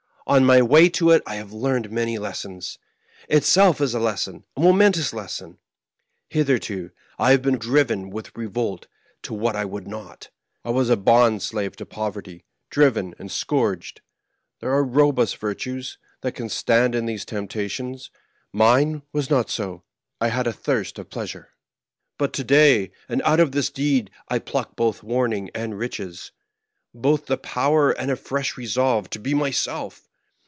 On my way to it I have learned many lessons ; itself is a lesson, a momentous lesson. Hitherto I have been driven with revolt to what I would not ; I was a bond slave to poverty, driven and scourged. There are ro bust virtues that can stand in these temptations ; mine was not so, I had a thirst of pleasure. But to day, and out of this deed, I pluck both warning and riches — both the power and a fresh resolve to be myself.